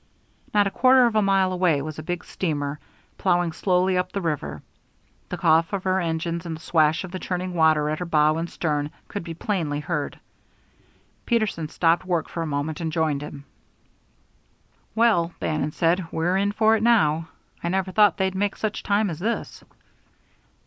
Not a quarter of a mile away was a big steamer, ploughing slowly up the river; the cough of her engines and the swash of the churning water at her bow and stern could be plainly heard. Peterson stopped work for a moment, and joined him. "Well," Bannon said, "we're in for it now. I never thought they'd make such time as this."